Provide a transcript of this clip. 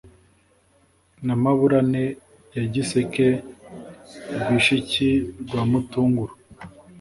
Na Maburane ya Giseke Rwishiki rwa Matunguru